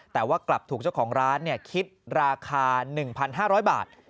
แต่ว่ากลับถูกเจ้าของร้านคิดราคา๑๕๐๐บาท